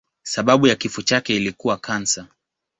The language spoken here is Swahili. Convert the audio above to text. Sababu ya kifo chake ilikuwa kansa.